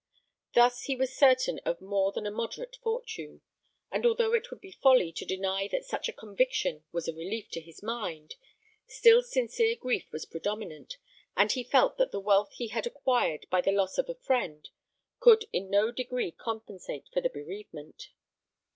Thus he was certain of more than a moderate fortune; but although it would be folly to deny that such a conviction was a relief to his mind, still sincere grief was predominant, and he felt that the wealth he had acquired by the loss of a friend could in no degree compensate for the bereavement.